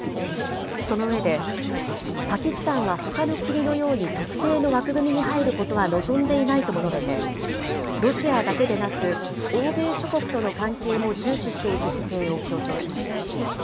その上で、パキスタンはほかの国のように特定の枠組みに入ることは望んでいないとも述べて、ロシアだけでなく、欧米諸国との関係も重視していく姿勢を強調しました。